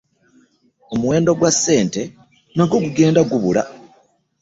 Omuwendo gwa sente nagwp gugenda gubula .